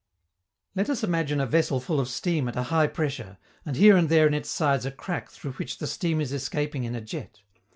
Let us imagine a vessel full of steam at a high pressure, and here and there in its sides a crack through which the steam is escaping in a jet.